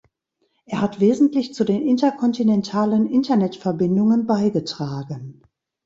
Er hat wesentlich zu den interkontinentalen Internetverbindungen beigetragen.